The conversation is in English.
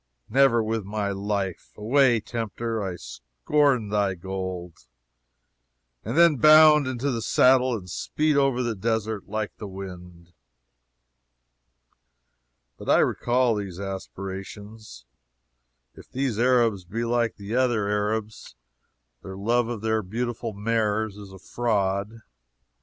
Never with my life! Away, tempter, I scorn thy gold!" and then bound into the saddle and speed over the desert like the wind! But I recall those aspirations. If these Arabs be like the other Arabs, their love for their beautiful mares is a fraud.